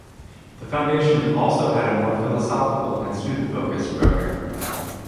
The Foundation also had a more philosophical and student-focused program.